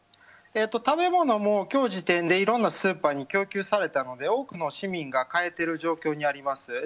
食べ物も今日時点でいろんなスーパーに供給されたので多くの市民が買えている状況にあります。